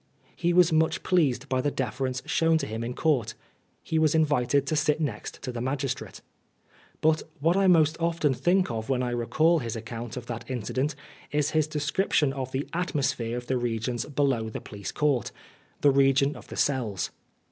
He was much pleased by the deference shown to him in Court. He was invited to sit next to the magistrate. But what I most often think of when I recall his account of that incident is his description of the atmosphere of the regions below the police court the region of the cells.